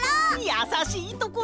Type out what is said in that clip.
やさしいところ！